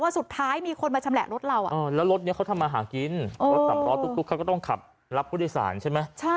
สุดท้ายมีคนมาชำแหละรถเราแล้วรถนี้เขาทำมาหากินรถสำล้อตุ๊กเขาก็ต้องขับรับผู้โดยสารใช่ไหม